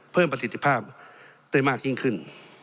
ประสิทธิภาพได้มากยิ่งขึ้น